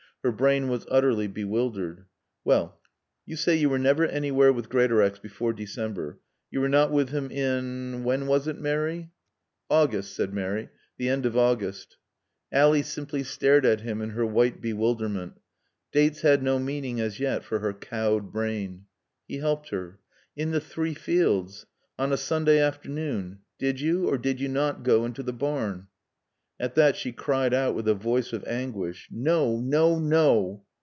Her brain was utterly bewildered. "Well. You say you were never anywhere with Greatorex before December. You were not with him in when was it, Mary?" "August," said Mary. "The end of August." Ally simply stared at him in her white bewilderment. Dates had no meaning as yet for her cowed brain. He helped her. "In the Three Fields. On a Sunday afternoon. Did you or did you not go into the barn?" At that she cried out with a voice of anguish. "No No No!"